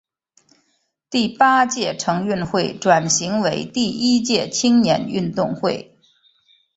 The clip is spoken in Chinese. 第八届城运会转型为第一届青年运动会。